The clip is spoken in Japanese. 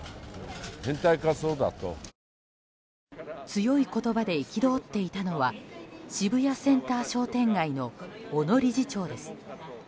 強い言葉で憤っていたのは渋谷センター商店街の小野理事長です。